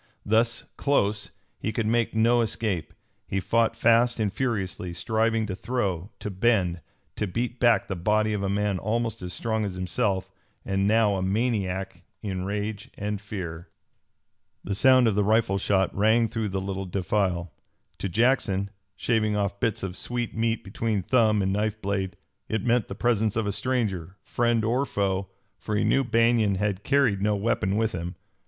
Thus close, he could make no escape. He fought fast and furiously, striving to throw, to bend, to beat back the body of a man almost as strong as himself, and now a maniac in rage and fear. The sound of the rifle shot rang through the little defile. To Jackson, shaving off bits of sweet meat between thumb and knife blade, it meant the presence of a stranger, friend or foe, for he knew Banion had carried no weapon with him.